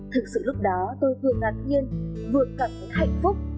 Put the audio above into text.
thực sự lúc đó tôi vừa ngạc nhiên vừa cảm thấy hạnh phúc